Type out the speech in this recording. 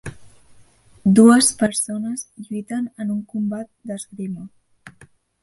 Dues persones lluiten en un combat d'esgrima.